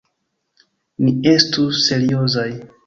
Ni estu seriozaj.